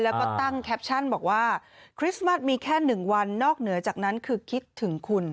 แล้วก็ตั้งแคปชั่นบอกว่าคริสต์มัสมีแค่๑วันนอกเหนือจากนั้นคือคิดถึงคุณ